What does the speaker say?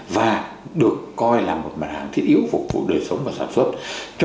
và được coi là một mặt hàng thiết yếu phục vụ đời sống và sản xuất